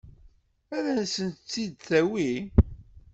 Ad sen-tt-id-tawi?